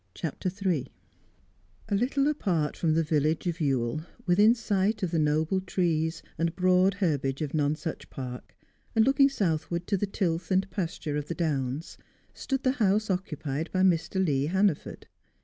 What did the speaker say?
CHAPTER III A little apart from the village of Ewell, within sight of the noble trees and broad herbage of Nonsuch Park, and looking southward to the tilth and pasture of the Downs, stood the house occupied by Mr. Lee Hannaford.